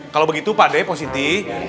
kalo begitu pak depo sinti